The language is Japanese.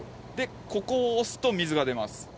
でここを押すと水が出ます。